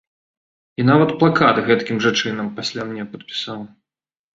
І нават плакат гэткім жа чынам пасля мне падпісаў.